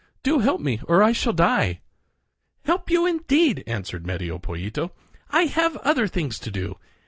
Do help me or I shall die!" "Help you, indeed!" answered Medio Pollito. "I have other things to do.